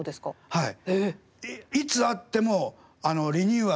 はい。